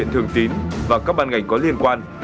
thường tín và các ban ngành có liên quan